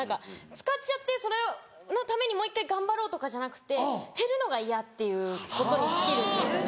使っちゃってそれのためにもう一回頑張ろうとかじゃなくて減るのが嫌っていうことに尽きるんですよね。